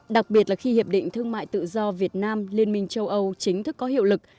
đặc biệt là khi hiệp định thương mại tự do việt nam liên minh châu âu chính thức có hiệu lực